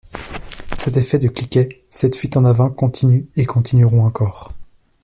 Cet effet de cliquet, cette fuite en avant continuent et continueront encore.